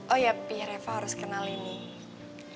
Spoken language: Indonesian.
oh iya pi reva harus kenalin nih